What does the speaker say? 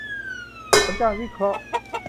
ผลการวิเคราะห์